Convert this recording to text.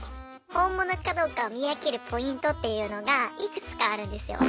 本物かどうかを見分けるポイントっていうのがいくつかあるんですよ。